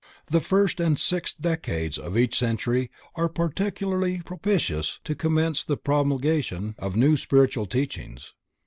The first and sixth decades of each century are particularly propitious to commence the promulgation of new spiritual teachings.